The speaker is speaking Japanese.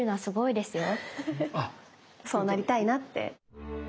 そうなりたいなって。